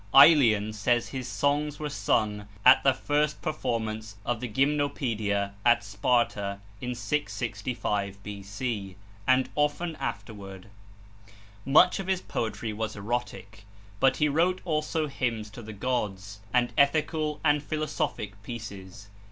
Aelian says his songs were sung at the first performance of the gymnopaedia at Sparta in 665 B.C., and often afterward. Much of his poetry was erotic; but he wrote also hymns to the gods, and ethical and philosophic pieces.